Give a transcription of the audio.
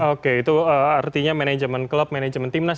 oke itu artinya manajemen klub manajemen timnas